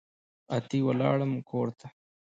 اتي ولاړم کورته